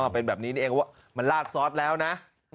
เป็นแบบนี้นี่เองว่ามันลาดซอสแล้วนะ